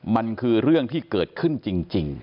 มันคือเรื่องที่เกิดขึ้นจริง